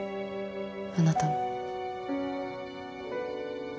あなたも。